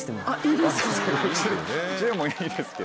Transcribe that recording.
いいですか？